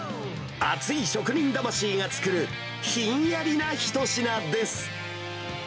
熱い職人魂が作る、ひんやりな一品です。